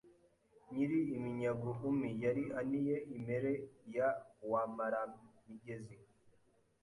Nyiri iminyago umi Yari aniye Imere ya wamaramigezi